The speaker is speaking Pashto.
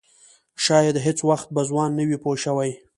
شاید هېڅ وخت به ځوان نه وي پوه شوې!.